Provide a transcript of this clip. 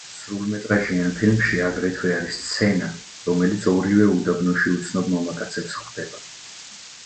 სრულმეტრაჟიან ფილმში აგრეთვე არის სცენა, რომელშიც ორივე უდაბნოში უცნობ მამაკაცებს ხვდება.